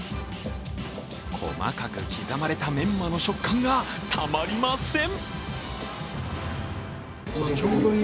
細かく刻まれたメンマの食感がたまりません！